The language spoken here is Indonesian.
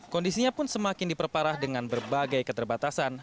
kondisinya pun semakin diperparah dengan berbagai keterbatasan